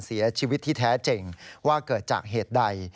เสียชีวิตที่แท้จริงว่าเกิดจากเหตุใด